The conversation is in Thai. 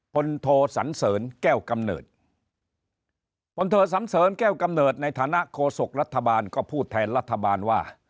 โทสันเสริญแก้วกำเนิดพลโทสันเสริญแก้วกำเนิดในฐานะโคศกรัฐบาลก็พูดแทนรัฐบาลว่า